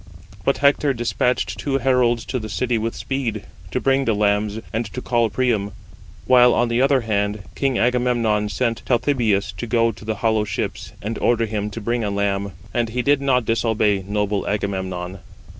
But Hector despatched two heralds to the city with speed, to bring the lambs, and to call Priam. While, on the other hand, king Agamemnon sent Talthybius to go to the hollow ships, and ordered him to bring a lamb. And he did not disobey noble Agamemnon.